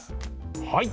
はい。